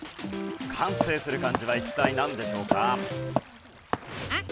完成する漢字は一体なんでしょうか？